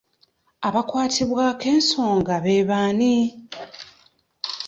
Abakwatibwako ensonga be baani?